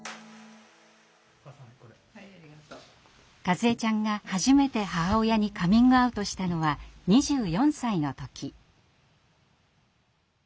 かずえちゃんが初めて母親にカミングアウトしたのは２４歳の時。